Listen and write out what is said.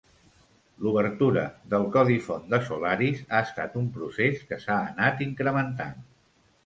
L'obertura del codi font de Solaris ha estat un procés que s'ha anat incrementant.